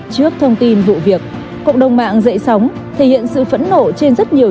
trước thông tin vụ việc cộng đồng mạng dậy sóng thể hiện sự phẫn nộ trên rất nhiều